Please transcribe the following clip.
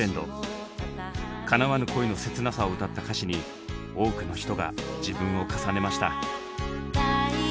かなわぬ恋の切なさを歌った歌詞に多くの人が自分を重ねました。